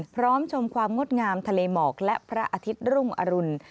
ชมความงดงามทะเลหมอกและพระอาทิตย์รุ่งอรุณ